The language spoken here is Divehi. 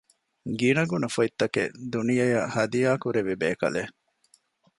ގިނަގުނަ ފޮތްތަކެއް ދުނިޔެއަށް ހަދިޔާކުރެއްވި ބޭކަލެއް